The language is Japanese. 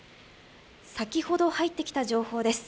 先ほど入ってきた情報です。